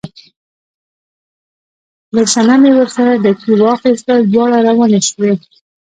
ګل صنمې ورسره ډکي واخیستل، دواړه روانې شوې.